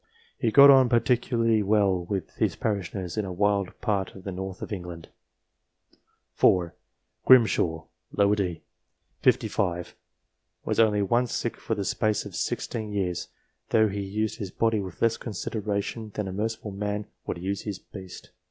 He got on particularly well with his parishioners in a wild part of the north of England. 4. Grimshaw, d. set. 55 ; was only once sick for the space of sixteen years, though he " used his body with less consideration than a merciful man would use his beast."